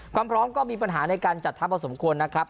ความพร้อมก็มีปัญหาในการจัดทัพพอสมควรนะครับ